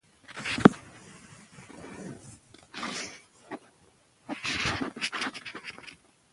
پلار د زاړه کتاب پاڼې ولیدې.